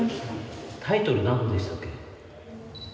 タイトル何でしたっけ？